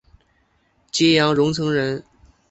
揭阳榕城人。